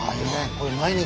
これ毎日。